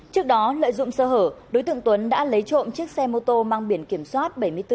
trước đó lợi dụng sơ hở đối tượng tuấn đã lấy trộm chiếc xe mô tô mang biển kiểm soát